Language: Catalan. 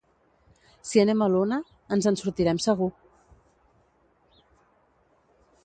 Si anem a l'una, ens en sortirem segur.